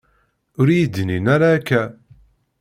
Ur iyi-d-nnin ara akka.